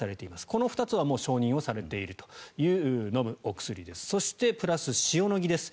この２つはもう承認をされているという飲むお薬です。